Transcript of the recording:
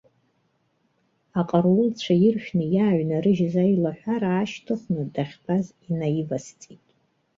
Аҟарулцәа иршәны иааҩнарыжьыз аилаҳәара аашьҭыхны дахьтәаз инаивасҵеит.